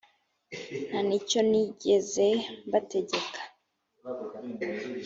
nta n icyo nigeze mbategeka